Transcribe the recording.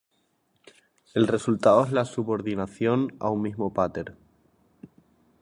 El resultado es la subordinación a un mismo pater.